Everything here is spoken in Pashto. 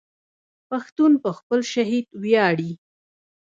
پښتون په خپل شهید ویاړي.